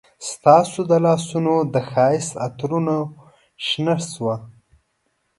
ستا د لاسونو د ښایست عطرونه شنه شوه